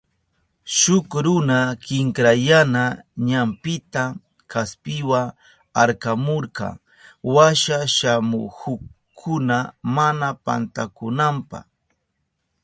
Shuk runa kinkrayana ñampita kaspiwa arkamurka washa shamuhukkuna mana pantanankunapa.